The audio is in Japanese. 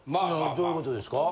どういう事ですか？